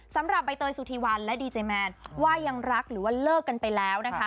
สำหรับใบเตยสุธีวันและดีเจแมนว่ายังรักหรือว่าเลิกกันไปแล้วนะคะ